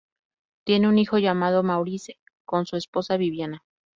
Tiene un hijo llamado Maurice, con su esposa Viviana.